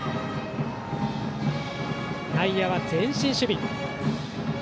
外野は前進守備。